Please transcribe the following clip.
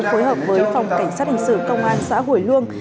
phối hợp với phòng cảnh sát hình sự công an xã hồi luông